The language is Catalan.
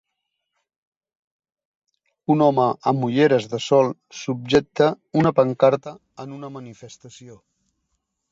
Un home amb ulleres de sol subjecta una pancarta en una manifestació.